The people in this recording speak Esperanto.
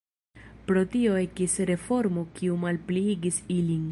Pro tio ekis reformo kiu malpliigis ilin.